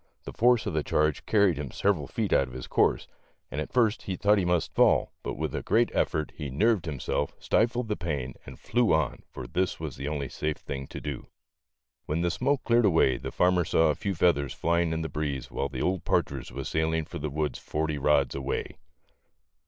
The force of the charge carried him several feet out of his course, and at first he thought he must A NIGHT WITH RUFF GROUSE. 119 fall, but with a great effort he nerved himself, stifled the pain, and flew on, for this was the only safe thing to do. When the smoke cleared away, the farmer saw a few feathers flying in the breeze, while the old partridge was sailing for the woods forty rods away.